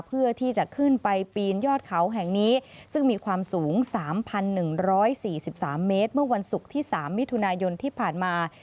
เพื่อที่จะขึ้นไปปีนยอดเขาแห่งนี้ซึ่งมีความสูง๓๑๔๓เมตรเมื่อวันศุกร์ที่๓มิถุนายนที่ผ่านมา